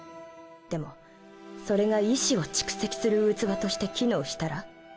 でもそれが意思を蓄積する器として機能したら？